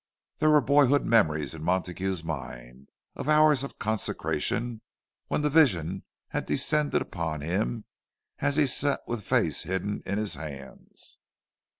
There were boyhood memories in Montague's mind, of hours of consecration, when the vision had descended upon him, and he had sat with face hidden in his hands.